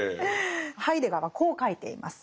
ハイデガーはこう書いています。